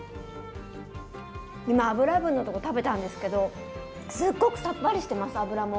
今脂分のとこ食べたんですけどすっごくさっぱりしてます脂も。